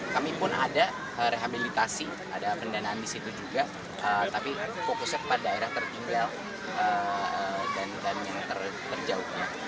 kami pun ada rehabilitasi ada pendanaan di situ juga tapi fokusnya kepada daerah tertinggal dan yang terjauhnya